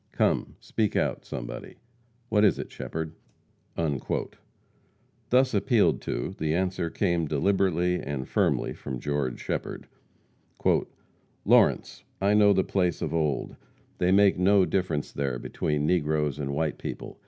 Come, speak out, somebody! What is it, Shepherd?" Thus appealed to, the answer came deliberately and firmly from George Shepherd: "Lawrence! I know the place of old. They make no difference there between negroes and white people.